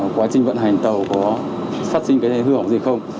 quá trình vận hành tàu có phát sinh cái này hư hỏng gì không